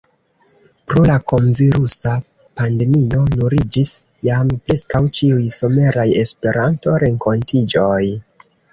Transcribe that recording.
Pro la kronvirusa pandemio nuliĝis jam preskaŭ ĉiuj someraj Esperanto-renkontiĝoj.